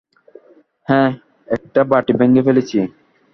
হ্যাঁ, একটা বাটি ভেঙে ফেলেছি।